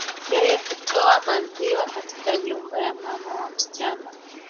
Yeye hutoa maziwa katika nyumba ya mama wa msichana